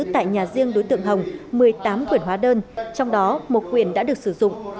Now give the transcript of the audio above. tại nhà riêng đối tượng hồng một mươi tám quyển hóa đơn trong đó một quyền đã được sử dụng